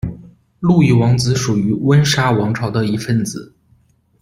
路易王子属于温莎王朝的一份子。